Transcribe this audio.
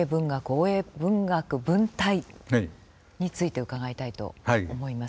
大江文学・文体について伺いたいと思います。